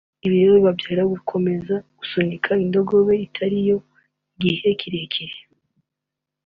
Ibi rero bibabyarira gukomeza gusunika indogobe itari yo igihe kirekire